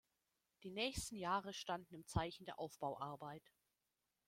Die nächsten Jahre standen im Zeichen der Aufbauarbeit.